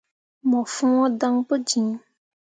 Mo fõo dan pu jiŋ.